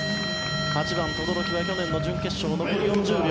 ８番、轟は去年の準決勝残り４０秒。